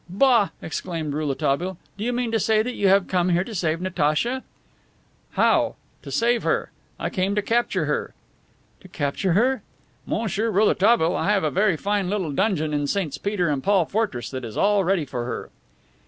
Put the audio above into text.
"Bah!" exclaimed Rouletabille, "do you mean to say that you have come here to save Natacha?" "How to save her! I come to capture her." "To capture her?" "Monsieur Rouletabille, I have a very fine little dungeon in Saints Peter and Paul fortress that is all ready for her."